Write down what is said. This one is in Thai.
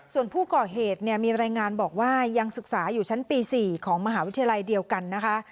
ส่วนผู้ก่อเหตุเนี่ยมีรายงานบอกว่ายังศึกษาอยู่ชั้นปี๔ของมหาวิทยาลัยเดียวกันนะคะ